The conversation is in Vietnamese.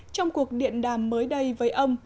trong cuộc điện đàm mới đây với ông